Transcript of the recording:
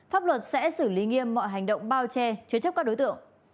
pháp luật sẽ xử lý nghiêm mọi hành động bao che chứa chấp các đối tượng